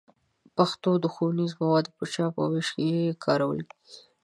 پښتو د ښوونیزو موادو په چاپ او ویش کې کارول کېږي.